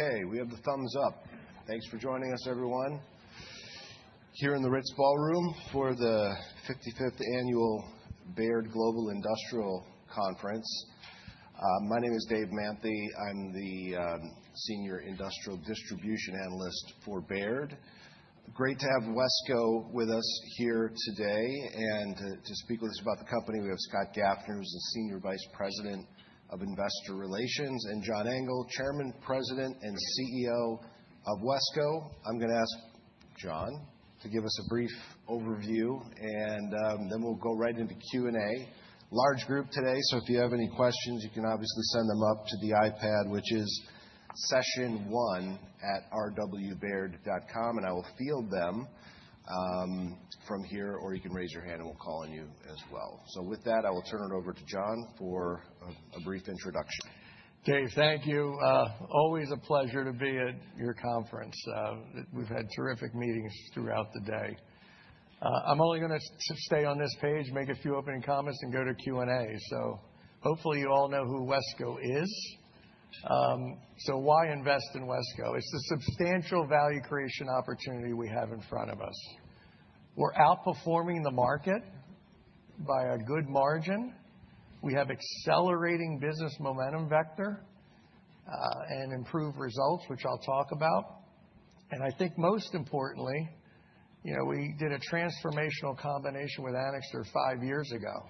Okay, we have the thumbs up. Thanks for joining us, everyone, here in the Ritz Ballroom for the 55 Annual Baird Global Industrial Conference. My name is Dave Manthey. I'm the senior industrial distribution analyst for Baird. Great to have Wesco with us here today, and to speak with us about the company, we have Scott Gaffner, who's the Senior Vice President of Investor Relations, and John Engel, Chairman, President, and CEO of Wesco. I'm gonna ask John to give us a brief overview, and then we'll go right into Q&A. Large group today, so if you have any questions, you can obviously send them up to the iPad, which is sessionone@rwbaird.com, and I will field them from here, or you can raise your hand, and we'll call on you as well. So with that, I will turn it over to John for a brief introduction. Dave, thank you. Always a pleasure to be at your conference. We've had terrific meetings throughout the day. I'm only gonna stay on this page, make a few opening comments, and go to Q&A. So hopefully, you all know who Wesco is. So why invest in Wesco? It's the substantial value creation opportunity we have in front of us. We're outperforming the market by a good margin. We have accelerating business momentum vector, and improved results, which I'll talk about. And I think most importantly, you know, we did a transformational combination with Anixter five years ago.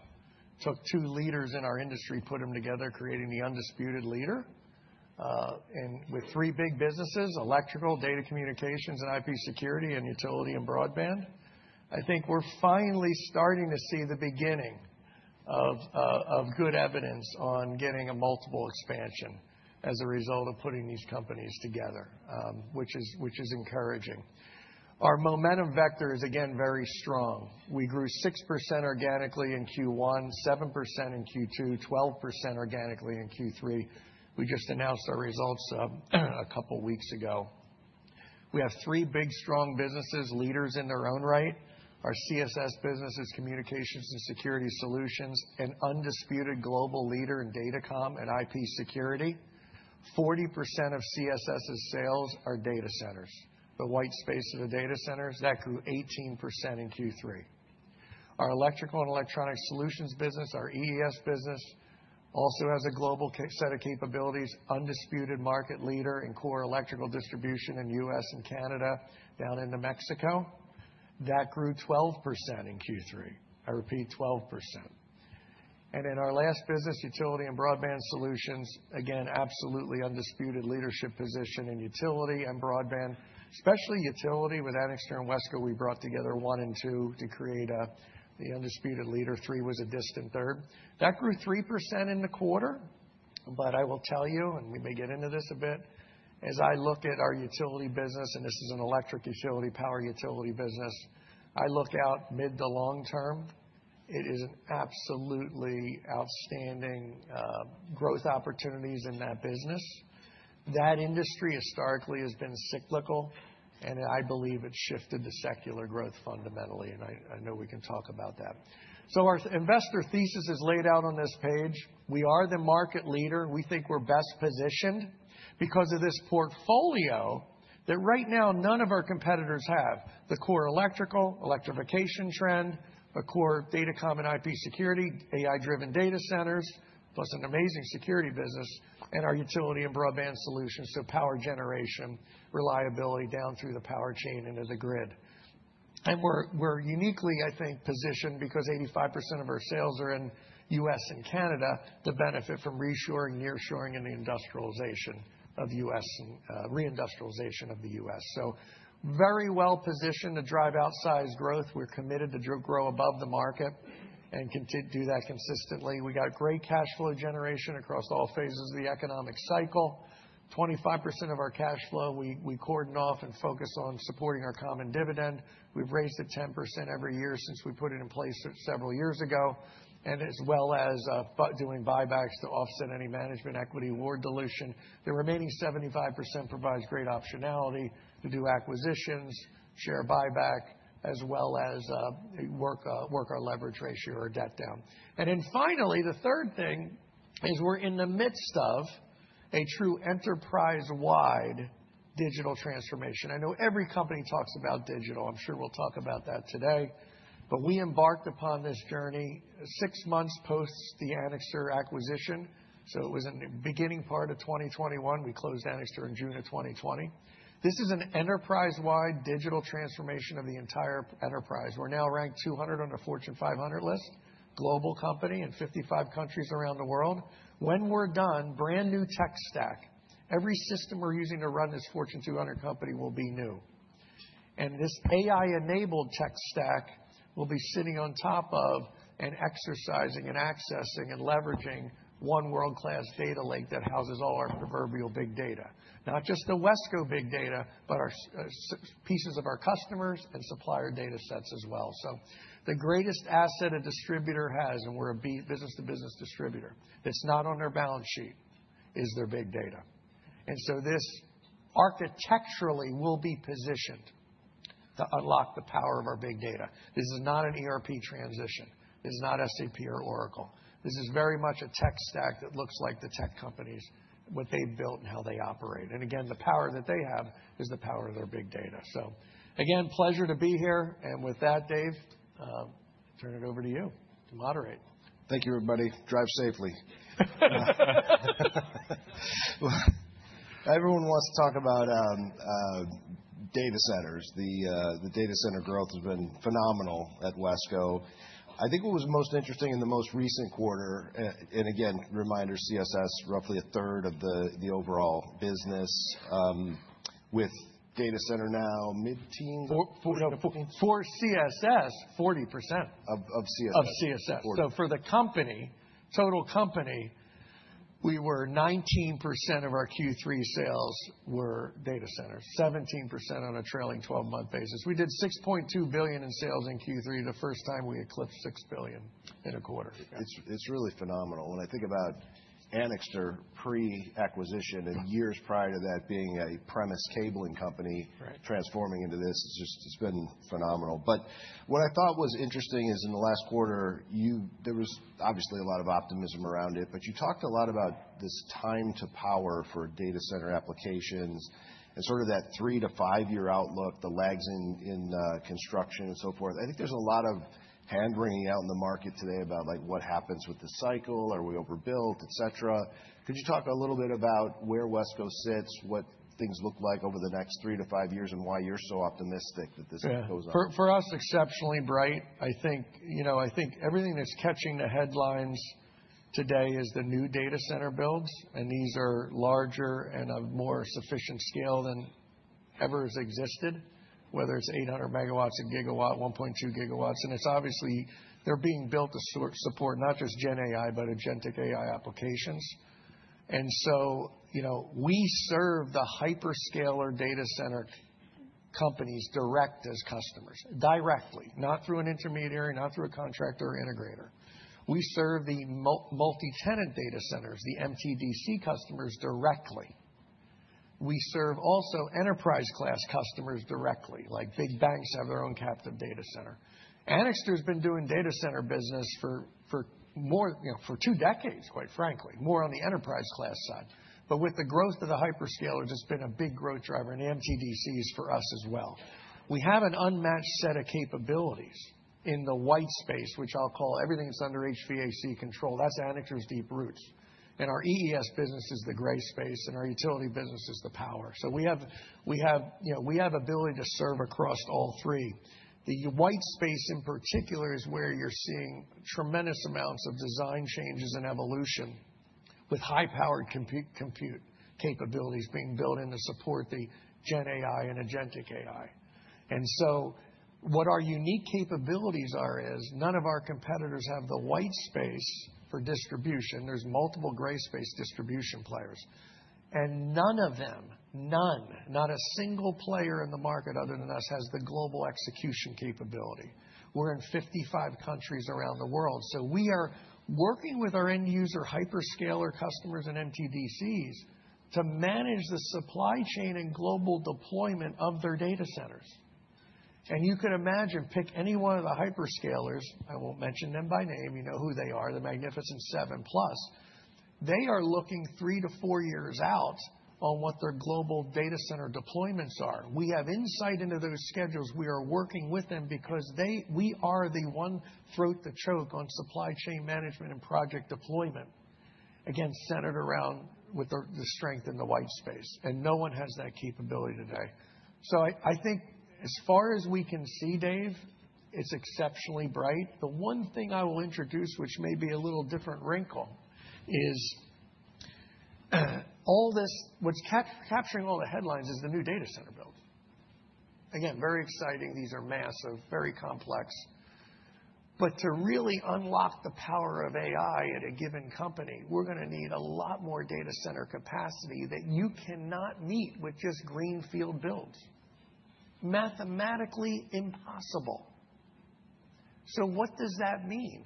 Took two leaders in our industry, put them together, creating the undisputed leader, and with three big businesses, electrical, data communications, and IP security, and utility, and broadband. I think we're finally starting to see the beginning of good evidence on getting a multiple expansion as a result of putting these companies together, which is encouraging. Our momentum vector is, again, very strong. We grew 6% organically in Q1, 7% in Q2, 12% organically in Q3. We just announced our results a couple weeks ago. We have three big, strong businesses, leaders in their own right. Our CSS business is Communications and Security Solutions, an undisputed global leader in datacom and IP security. 40% of CSS's sales are data centers. The white space of the data centers, that grew 18% in Q3. Our Electrical and Electronic Solutions business, our EES business, also has a global set of capabilities, undisputed market leader in core electrical distribution in the U.S. and Canada, down into Mexico. That grew 12% in Q3. I repeat, 12%. And in our last business, Utility and Broadband Solutions, again, absolutely undisputed leadership position in utility and broadband, especially utility. With Anixter and Wesco, we brought together one and two to create the undisputed leader. Three was a distant third. That grew 3% in the quarter, but I will tell you, and we may get into this a bit, as I look at our utility business, and this is an electric utility, power utility business, I look out mid to long term, it is an absolutely outstanding growth opportunities in that business. That industry historically has been cyclical, and I believe it's shifted to secular growth fundamentally, and I know we can talk about that. So our investor thesis is laid out on this page. We are the market leader. We think we're best positioned because of this portfolio that right now none of our competitors have, the core electrical, electrification trend, a core datacom and IP security, AI-driven data centers, plus an amazing security business, and our utility and broadband solutions, so power generation, reliability down through the power chain into the grid, and we're uniquely, I think, positioned because 85% of our sales are in U.S. and Canada to benefit from reshoring, nearshoring, and the industrialization of the U.S., and reindustrialization of the U.S., so very well-positioned to drive outsized growth. We're committed to grow above the market and do that consistently. We got great cash flow generation across all phases of the economic cycle. 25% of our cash flow we cordon off and focus on supporting our common dividend. We've raised it 10% every year since we put it in place several years ago, and as well as doing buybacks to offset any management equity or dilution. The remaining 75% provides great optionality to do acquisitions, share buyback, as well as work our leverage ratio or debt down. And then finally, the third thing is we're in the midst of a true enterprise-wide digital transformation. I know every company talks about digital. I'm sure we'll talk about that today, but we embarked upon this journey six months post the Anixter acquisition, so it was in the beginning part of twenty twenty-one. We closed Anixter in June of 2020. This is an enterprise-wide digital transformation of the entire enterprise. We're now ranked 200 on the Fortune 500 list, global company in 55 countries around the world. When we're done, brand-new tech stack, every system we're using to run this Fortune 200 company will be new. And this AI-enabled tech stack will be sitting on top of, and exercising, and accessing, and leveraging one world-class data lake that houses all our proverbial big data. Not just the Wesco big data, but our pieces of our customers and supplier data sets as well. So the greatest asset a distributor has, and we're a business-to-business distributor, that's not on their balance sheet, is their big data. And so this architecturally will be positioned to unlock the power of our big data. This is not an ERP transition. This is not SAP or Oracle. This is very much a tech stack that looks like the tech companies, what they've built and how they operate. And again, the power that they have is the power of their big data. So again, pleasure to be here. And with that, Dave, I turn it over to you to moderate. Thank you, everybody. Drive safely. Everyone wants to talk about data centers. The data center growth has been phenomenal at Wesco. I think what was most interesting in the most recent quarter, and again, reminder, CSS, roughly a third of the overall business, with data center now, mid-teen- 4-14. For CSS, 40%. of CSS. Of CSS. 40%. For the company, total company, we were 19% of our Q3 sales were data centers, 17% on a trailing twelve-month basis. We did $6.2 billion in sales in Q3, the first time we eclipsed $6 billion in a quarter. It's really phenomenal. When I think about Anixter pre-acquisition and years prior to that, being a premises cabling company. Right Transforming into this, it's just, it's been phenomenal. But what I thought was interesting is in the last quarter, you-- there was obviously a lot of optimism around it, but you talked a lot about this time to power for data center applications and sort of that three to five-year outlook, the lags in, in, construction and so forth. I think there's a lot of hand-wringing out in the market today about, like, what happens with the cycle? Are we overbuilt, et cetera. Could you talk a little bit about where Wesco sits, what things look like over the next three to five years, and why you're so optimistic that this goes on? Yeah. For us, exceptionally bright. I think, you know, everything that's catching the headlines today is the new data center builds, and these are larger and of more sufficient scale than ever has existed, whether it's 800 megawatts, a gigawatt, 1.2 GW. And it's obviously they're being built to sort of support not just Gen AI, but Agentic AI applications. And so, you know, we serve the hyperscaler data center companies direct as customers, directly, not through an intermediary, not through a contractor or integrator. We serve the multitenant data centers, the MTDC customers, directly. We serve also enterprise class customers directly, like big banks have their own captive data center. Anixter's been doing data center business for more, you know, for two decades, quite frankly, more on the enterprise class side. But with the growth of the hyperscalers, it's been a big growth driver, and MTDC is for us as well. We have an unmatched set of capabilities in the white space, which I'll call everything that's under HVAC control. That's Anixter's deep roots. And our EES business is the gray space, and our utility business is the power. So we have, you know, we have ability to serve across all three. The white space, in particular, is where you're seeing tremendous amounts of design changes and evolution, with high-powered compute capabilities being built in to support the gen AI and agentic AI. And so what our unique capabilities are is none of our competitors have the white space for distribution. There's multiple gray space distribution players, and none of them, none, not a single player in the market other than us, has the global execution capability. We're in 55 countries around the world, so we are working with our end user, hyperscaler customers and MTDCs to manage the supply chain and global deployment of their data centers. You could imagine, pick any one of the hyperscalers, I won't mention them by name, you know who they are, the Magnificent Seven plus. They are looking three to four years out on what their global data center deployments are. We have insight into those schedules. We are working with them because they, we are the one throat to choke on supply chain management and project deployment, again, centered around with the strength in the white space, and no one has that capability today. I think as far as we can see, Dave, it's exceptionally bright. The one thing I will introduce, which may be a little different wrinkle, is all this. What's capturing all the headlines is the new data center build. Again, very exciting. These are massive, very complex. But to really unlock the power of AI at a given company, we're gonna need a lot more data center capacity that you cannot meet with just greenfield builds. Mathematically impossible. So what does that mean?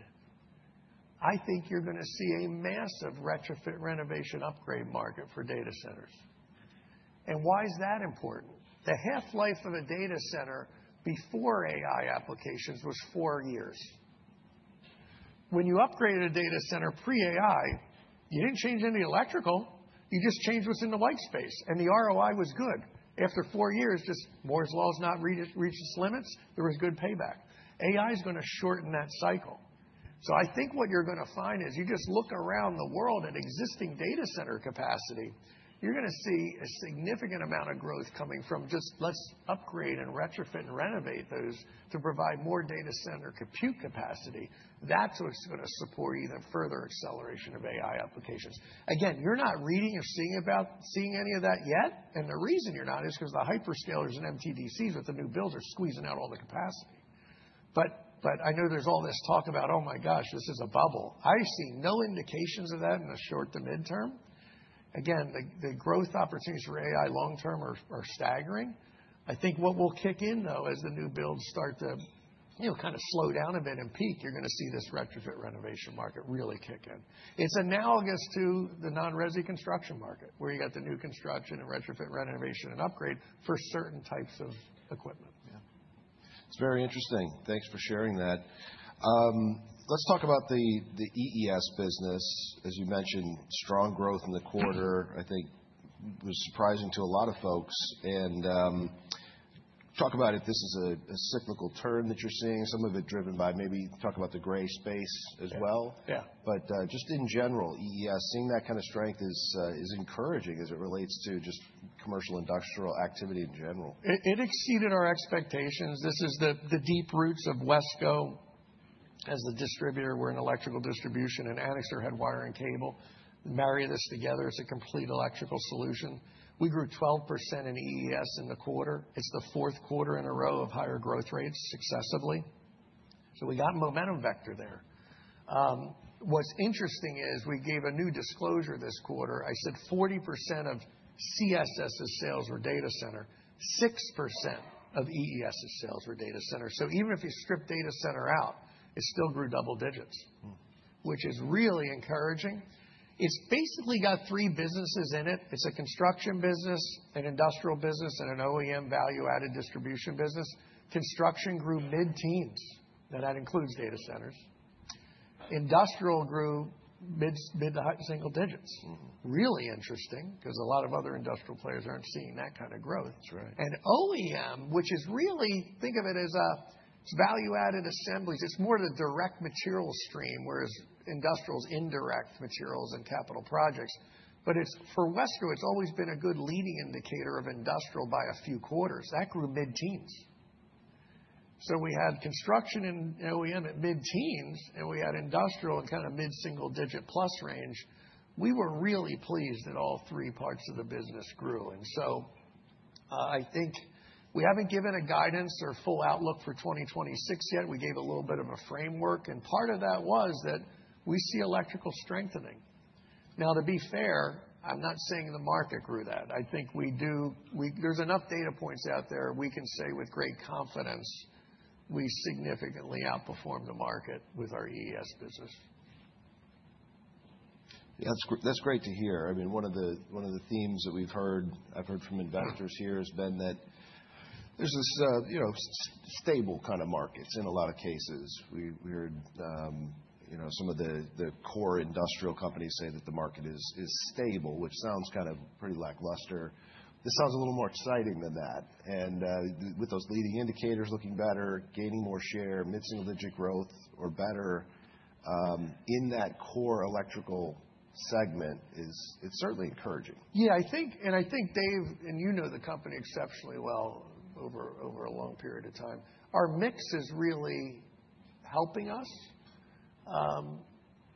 I think you're gonna see a massive retrofit, renovation, upgrade market for data centers. And why is that important? The half-life of a data center before AI applications was four years. When you upgraded a data center pre-AI, you didn't change any electrical. You just changed what's in the white space, and the ROI was good. After four years, just Moore's Law has not reached its limits, there was good payback. AI is gonna shorten that cycle. So I think what you're gonna find is, you just look around the world at existing data center capacity, you're gonna see a significant amount of growth coming from just let's upgrade and retrofit and renovate those to provide more data center compute capacity. That's what's gonna support even further acceleration of AI applications. Again, you're not reading or seeing any of that yet, and the reason you're not is because the hyperscalers and MTDCs with the new builds are squeezing out all the capacity. But I know there's all this talk about, "Oh, my gosh, this is a bubble." I see no indications of that in the short to midterm. Again, the growth opportunities for AI long term are staggering. I think what will kick in, though, as the new builds start. You know, kind of slow down a bit and peek, you're gonna see this retrofit renovation market really kick in. It's analogous to the non-resi construction market, where you got the new construction and retrofit renovation and upgrade for certain types of equipment. Yeah. It's very interesting. Thanks for sharing that. Let's talk about the EES business. As you mentioned, strong growth in the quarter, I think was surprising to a lot of folks. Talk about if this is a cyclical turn that you're seeing, some of it driven by maybe talk about the gray space as well. Yeah. But, just in general, EES, seeing that kind of strength is encouraging as it relates to just commercial-industrial activity in general. It exceeded our expectations. This is the deep roots of Wesco as a distributor. We're an electrical distribution, and Anixter had wire and cable. Marry this together as a complete electrical solution. We grew 12% in EES in the quarter. It's the fourth quarter in a row of higher growth rates successively, so we got momentum vector there. What's interesting is we gave a new disclosure this quarter. I said 40% of CSS's sales were data center. 6% of EES's sales were data center. So even if you strip data center out, it still grew double digits. Mm. Which is really encouraging. It's basically got three businesses in it. It's a construction business, an industrial business, and an OEM value-added distribution business. Construction grew mid-teens, now that includes data centers. Industrial grew mid- to high single digits. Mm-hmm. Really interesting, 'cause a lot of other industrial players aren't seeing that kind of growth. That's right. And OEM, which is really, think of it as a value-added assemblies. It's more the direct material stream, whereas industrial's indirect materials and capital projects. But it's, for Wesco, it's always been a good leading indicator of industrial by a few quarters. That grew mid-teens. So we had construction and OEM at mid-teens, and we had industrial in kind of mid-single digit plus range. We were really pleased that all three parts of the business grew. And so, I think we haven't given a guidance or full outlook for 2026 yet. We gave a little bit of a framework, and part of that was that we see electrical strengthening. Now, to be fair, I'm not saying the market grew that. I think we do. There's enough data points out there, we can say with great confidence, we significantly outperformed the market with our EES business. That's great to hear. I mean, one of the themes that we've heard, I've heard from investors here, has been that there's this, you know, stable kind of markets in a lot of cases. We heard, you know, some of the core industrial companies say that the market is stable, which sounds kind of pretty lackluster. This sounds a little more exciting than that, and with those leading indicators looking better, gaining more share, mid-single digit growth or better in that core electrical segment is certainly encouraging. Yeah, I think, Dave, and you know the company exceptionally well over a long period of time. Our mix is really helping us.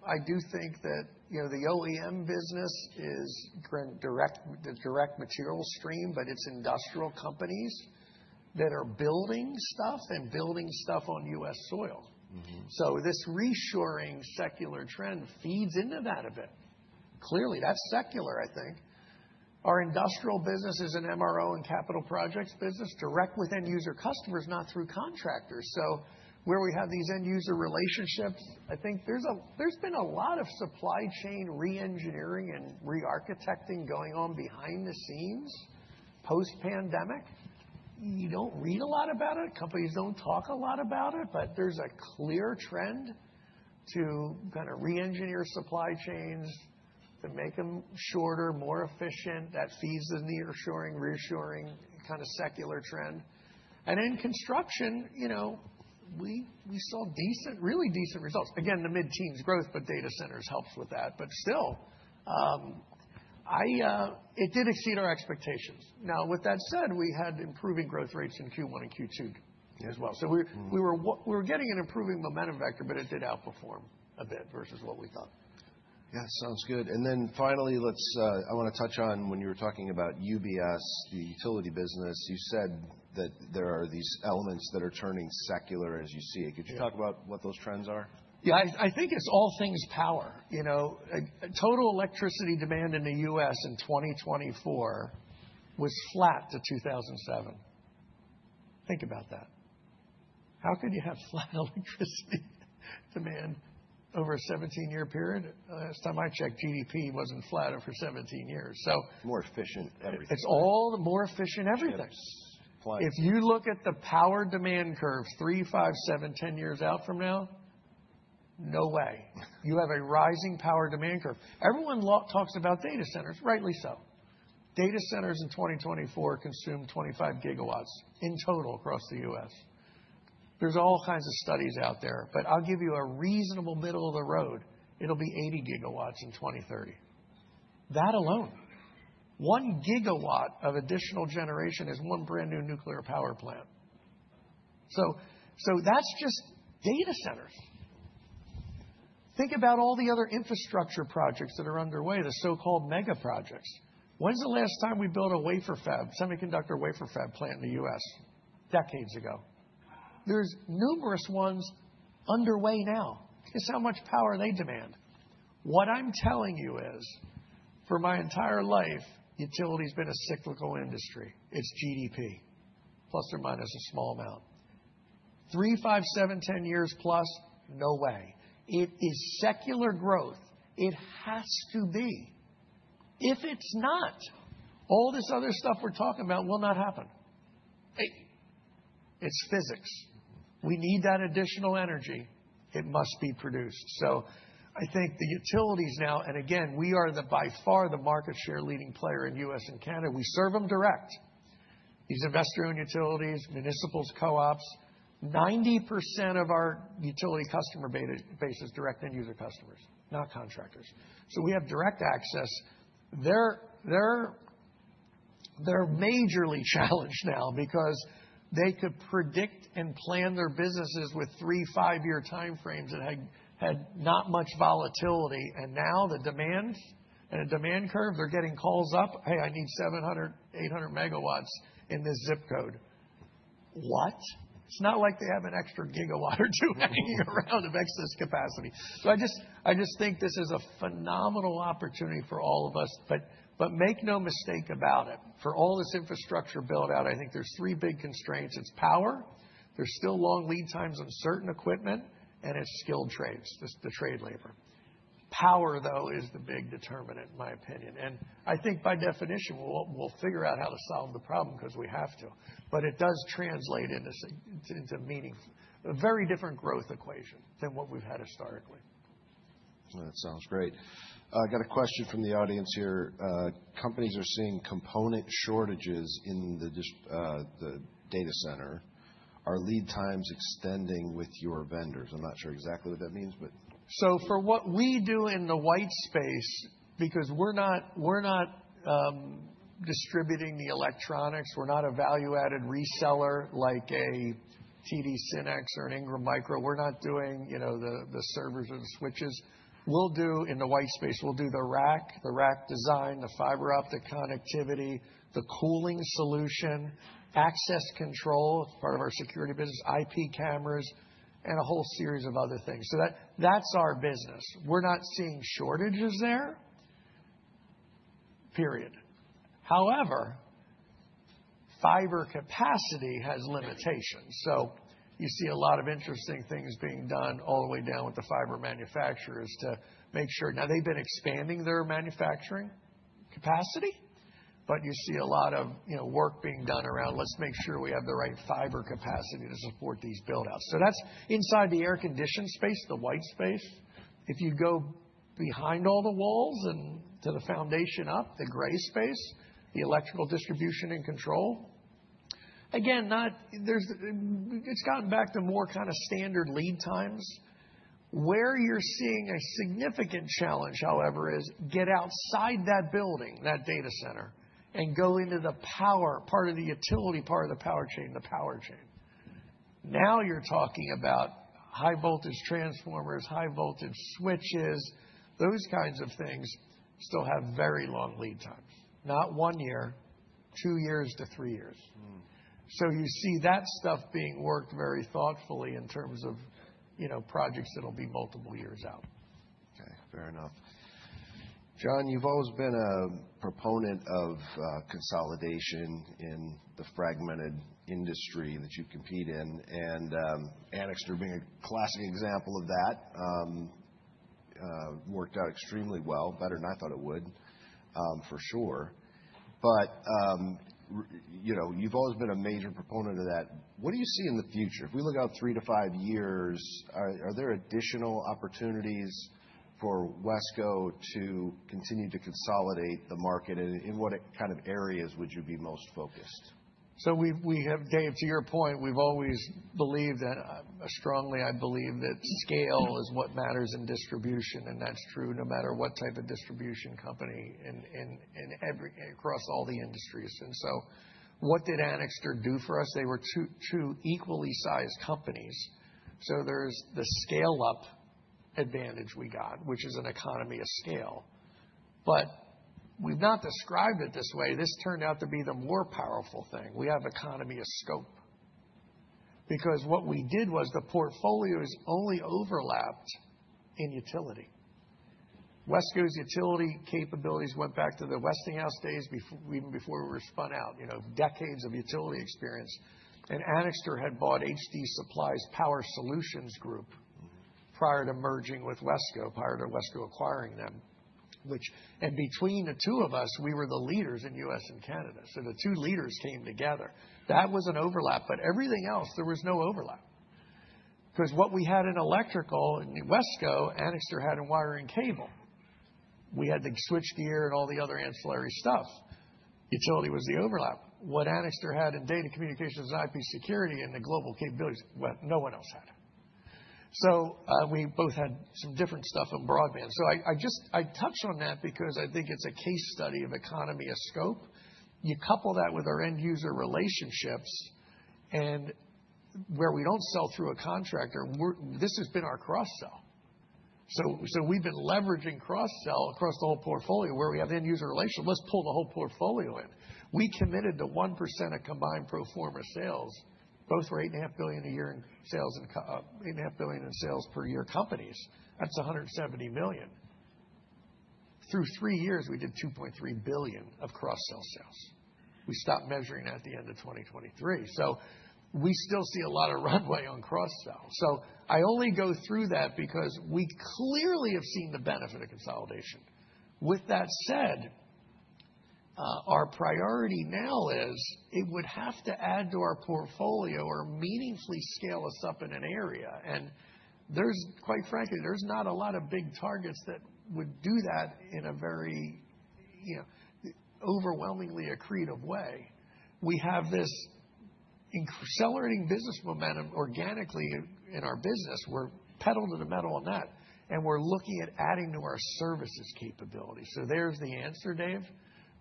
I do think that, you know, the OEM business is currently direct, the direct material stream, but it's industrial companies that are building stuff and building stuff on U.S. soil. Mm-hmm. So this reshoring secular trend feeds into that a bit. Clearly, that's secular, I think. Our industrial business is an MRO and capital projects business, direct with end user customers, not through contractors. So where we have these end user relationships, I think there's been a lot of supply chain reengineering and rearchitecting going on behind the scenes, post-pandemic. You don't read a lot about it, companies don't talk a lot about it, but there's a clear trend to kind of reengineer supply chains, to make them shorter, more efficient. That feeds the nearshoring, reshoring kind of secular trend. And in construction, you know, we saw decent, really decent results. Again, the mid-teens growth, but data centers helps with that. But still, it did exceed our expectations. Now, with that said, we had improving growth rates in Q1 and Q2 as well. Mm. So we were getting an improving momentum vector, but it did outperform a bit versus what we thought. Yeah, sounds good. And then finally, let's, I wanna touch on when you were talking about UBS, the utility business. You said that there are these elements that are turning secular as you see it. Yeah. Could you talk about what those trends are? Yeah, I think it's all things power. You know, total electricity demand in the U.S. in 2024 was flat to 2007. Think about that. How could you have flat electricity demand over a seventeen-year period? Last time I checked, GDP wasn't flatter for seventeen years. More efficient, everything. It's all the more efficient everything. Yep. If you look at the power demand curve, three years, five years, seven years, 10 years out from now, no way. You have a rising power demand curve. Everyone talks about data centers, rightly so. Data centers in 2024 consumed 25 GW in total across the U.S. There's all kinds of studies out there, but I'll give you a reasonable middle of the road. It'll be 80 GW in 2030. That alone, one gigawatt of additional generation, is one brand-new nuclear power plant. So, so that's just data centers. Think about all the other infrastructure projects that are underway, the so-called mega projects. When's the last time we built a wafer fab, semiconductor wafer fab plant in the U.S.? Decades ago. There's numerous ones underway now. Guess how much power they demand? What I'm telling you is, for my entire life, utility's been a cyclical industry. It's GDP, plus or minus a small amount. 3 years, 5 years, 7 years, 10 years+, no way. It is secular growth. It has to be. If it's not, all this other stuff we're talking about will not happen. Hey, it's physics. We need that additional energy. It must be produced. So I think the utilities now, and again, we are by far the market share leading player in U.S. and Canada. We serve them direct, these investor-owned utilities, municipals, co-ops. 90% of our utility customer base is direct end user customers, not contractors. So we have direct access. They're majorly challenged now because they could predict and plan their businesses with 3, 5-year timeframes that had not much volatility, and now the demand curve, they're getting calls up, "Hey, I need 700 MW-800 MW in this zip code." What? It's not like they have an extra gigawatt or two hanging around of excess capacity. So I just think this is a phenomenal opportunity for all of us. But make no mistake about it, for all this infrastructure build-out, I think there's three big constraints: It's power, there's still long lead times on certain equipment, and it's skilled trades, just the trade labor. Power, though, is the big determinant, in my opinion, and I think by definition, we'll figure out how to solve the problem because we have to, but it does translate into, meaning a very different growth equation than what we've had historically. That sounds great. I got a question from the audience here. Companies are seeing component shortages in the data center. Are lead times extending with your vendors? I'm not sure exactly what that means. For what we do in the white space, because we're not distributing the electronics, we're not a value-added reseller like a TD Synnex or an Ingram Micro. We're not doing, you know, the servers and switches. We'll do, in the white space, the rack, the rack design, the fiber optic connectivity, the cooling solution, access control, part of our security business, IP cameras, and a whole series of other things. That's our business. We're not seeing shortages there, period. However, fiber capacity has limitations, so you see a lot of interesting things being done all the way down with the fiber manufacturers to make sure... Now, they've been expanding their manufacturing capacity, but you see a lot of, you know, work being done around, "Let's make sure we have the right fiber capacity to support these build-outs." So that's inside the air-conditioned space, the white space. If you go behind all the walls and to the foundation up, the gray space, the electrical distribution and control, again, there's, it's gotten back to more kind of standard lead times. Where you're seeing a significant challenge, however, is get outside that building, that data center, and go into the power part of the utility, part of the power chain, the power chain. Now you're talking about high voltage transformers, high voltage switches. Those kinds of things still have very long lead times, not one year, two years to three years. Mm. So you see that stuff being worked very thoughtfully in terms of, you know, projects that'll be multiple years out. Okay, fair enough. John, you've always been a proponent of consolidation in the fragmented industry that you compete in, and Anixter being a classic example of that worked out extremely well, better than I thought it would, for sure. But you know, you've always been a major proponent of that. What do you see in the future? If we look out three to five years, are there additional opportunities for Wesco to continue to consolidate the market, and in what kind of areas would you be most focused? So we have, Dave, to your point, we've always believed that strongly, I believe that scale is what matters in distribution, and that's true no matter what type of distribution company in every across all the industries. And so what did Anixter do for us? They were two equally sized companies, so there's the scale-up advantage we got, which is an economy of scale. But we've not described it this way. This turned out to be the more powerful thing. We have economy of scope. Because what we did was the portfolios only overlapped in utility. Wesco's utility capabilities went back to the Westinghouse days even before we were spun out, you know, decades of utility experience. And Anixter had bought HD Supply's Power Solutions group prior to merging with Wesco, prior to Wesco acquiring them, which... And between the two of us, we were the leaders in US and Canada. So the two leaders came together. That was an overlap, but everything else, there was no overlap. Because what we had in electrical in Wesco, Anixter had in wiring cable. We had the switchgear and all the other ancillary stuff. Utility was the overlap. What Anixter had in data communications, IP security, and the global capabilities, well, no one else had. So, we both had some different stuff in broadband. So I just touch on that because I think it's a case study of economy of scope. You couple that with our end user relationships and where we don't sell through a contractor, we're this has been our cross-sell. So, so we've been leveraging cross-sell across the whole portfolio where we have end user relations. Let's pull the whole portfolio in. We committed to 1% of combined pro forma sales. Both were $8.5 billion a year in sales and eight and a half billion in sales per year companies. That's $170 million through three years. We did $2.3 billion of cross-sell sales. We stopped measuring at the end of 2023. So we still see a lot of runway on cross-sell. So I only go through that because we clearly have seen the benefit of consolidation. With that said, our priority now is it would have to add to our portfolio or meaningfully scale us up in an area, and there's, quite frankly, not a lot of big targets that would do that in a very, you know, overwhelmingly accretive way. We have this accelerating business momentum organically in our business. We're pedal to the metal on that, and we're looking at adding to our services capability. So there's the answer, Dave.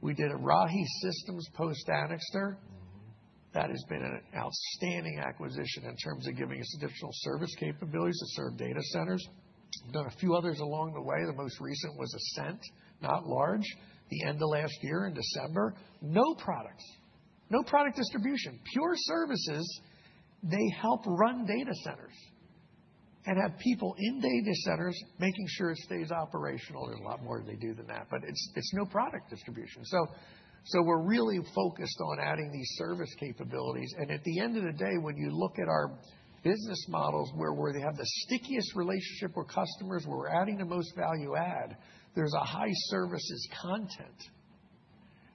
We did a Rahi Systems post Anixter. Mm-hmm. That has been an outstanding acquisition in terms of giving us additional service capabilities to serve data centers. Done a few others along the way, the most recent was Ascent, not large, the end of last year in December. No products, no product distribution, pure services. They help run data centers and have people in data centers, making sure it stays operational. There's a lot more they do than that, but it's no product distribution. So we're really focused on adding these service capabilities, and at the end of the day, when you look at our business models, where they have the stickiest relationship with customers, where we're adding the most value add, there's a high services content.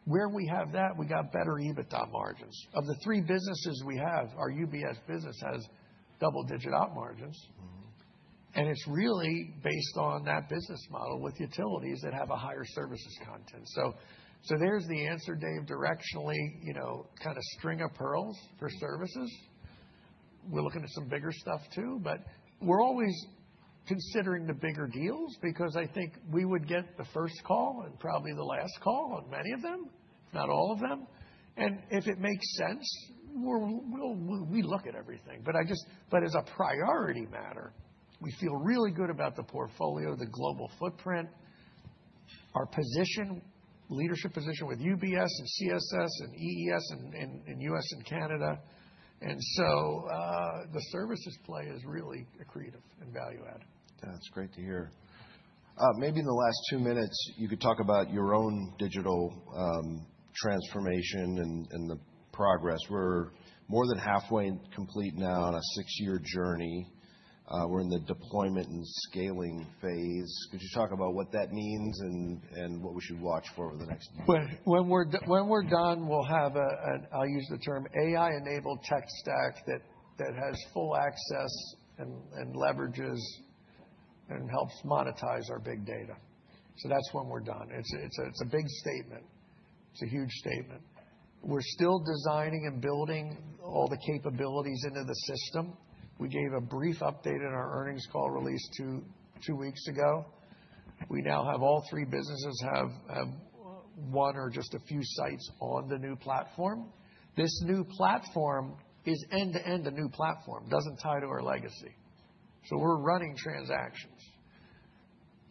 Where we have that, we got better EBITDA margins. Of the three businesses we have, our UBS business has double-digit op margins. Mm-hmm. It's really based on that business model with utilities that have a higher services content. So there's the answer, Dave, directionally, you know, kind of string of pearls for services. We're looking at some bigger stuff, too, but we're always considering the bigger deals because I think we would get the first call and probably the last call on many of them, not all of them. And if it makes sense, we'll look at everything, but as a priority matter, we feel really good about the portfolio, the global footprint, our position, leadership position with UBS and CSS and EES in US and Canada. And so the services play is really accretive and value add. That's great to hear. Maybe in the last two minutes, you could talk about your own digital transformation and the progress. We're more than halfway complete now on a six-year journey. We're in the deployment and scaling phase. Could you talk about what that means and what we should watch for over the next few years? When we're done, we'll have an AI-enabled tech stack that has full access and leverages and helps monetize our big data. So that's when we're done. It's a big statement. It's a huge statement. We're still designing and building all the capabilities into the system. We gave a brief update in our earnings call release two weeks ago. We now have all three businesses have one or just a few sites on the new platform. This new platform is end-to-end a new platform, doesn't tie to our legacy. So we're running transactions.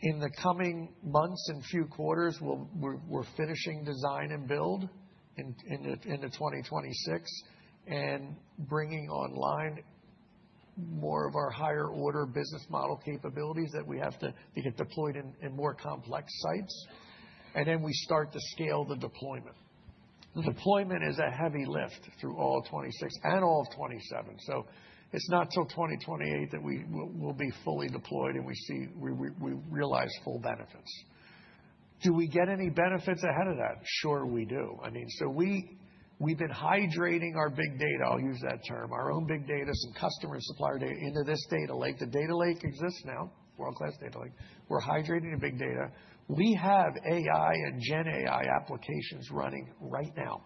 In the coming months and few quarters, we're finishing design and build into 2026, and bringing online more of our higher-order business model capabilities that we have to get deployed in more complex sites. And then we start to scale the deployment. The deployment is a heavy lift through all of 2026 and all of 2027, so it's not till 2028 that we will be fully deployed, and we see, we realize full benefits. Do we get any benefits ahead of that? Sure, we do. I mean, so we, we've been hydrating our big data, I'll use that term, our own big data, some customer supplier data into this data lake. The data lake exists now, world-class data lake. We're hydrating the big data. We have AI and GenAI applications running right now.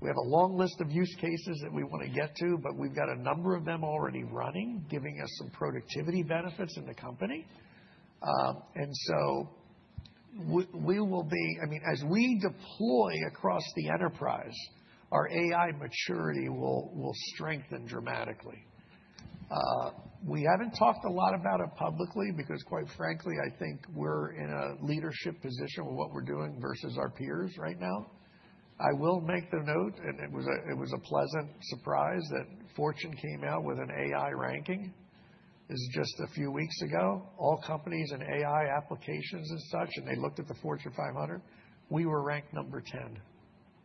We have a long list of use cases that we wanna get to, but we've got a number of them already running, giving us some productivity benefits in the company. I mean, as we deploy across the enterprise, our AI maturity will strengthen dramatically. We haven't talked a lot about it publicly because, quite frankly, I think we're in a leadership position with what we're doing versus our peers right now. I will make the note, and it was a pleasant surprise that Fortune came out with an AI ranking. This is just a few weeks ago, all companies and AI applications as such, and they looked at the Fortune 500. We were ranked number 10.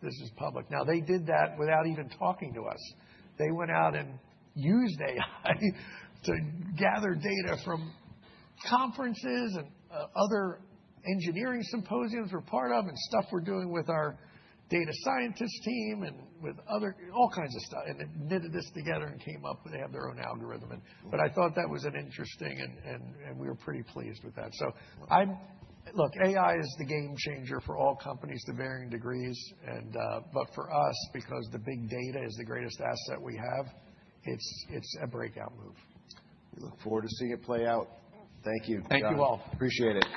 This is public. Now, they did that without even talking to us. They went out and used AI to gather data from conferences and other engineering symposiums we're part of, and stuff we're doing with our data scientist team and with other... All kinds of stuff, and then knitted this together and came up, and they have their own algorithm in. But I thought that was an interesting, and we were pretty pleased with that. So, look, AI is the game changer for all companies to varying degrees, and, but for us, because the big data is the greatest asset we have, it's a breakout move. We look forward to seeing it play out. Thank you. Thank you all. Appreciate it.